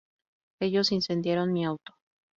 Ellos incendiaron mi auto.